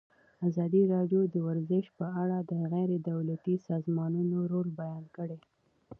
ازادي راډیو د ورزش په اړه د غیر دولتي سازمانونو رول بیان کړی.